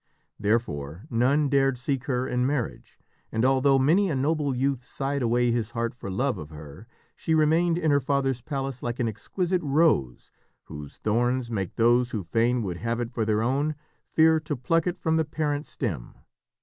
Therefore none dared seek her in marriage, and although many a noble youth sighed away his heart for love of her, she remained in her father's palace like an exquisite rose whose thorns make those who fain would have it for their own, fear to pluck it from the parent stem.